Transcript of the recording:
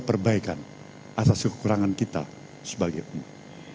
perbaikan atas kekurangan kita sebagai umat